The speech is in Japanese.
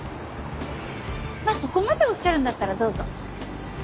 まあそこまでおっしゃるんだったらどうぞ。